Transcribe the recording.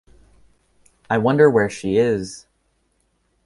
I wonder where she is!